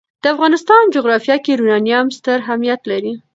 د افغانستان جغرافیه کې یورانیم ستر اهمیت لري.